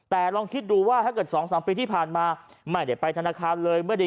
แต่ลองคิดดูว่าถ้าเกิด๒๓ปีที่ผ่านมาไม่ได้ไปธนาคารเลย